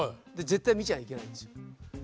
絶対見ちゃいけないんですよ。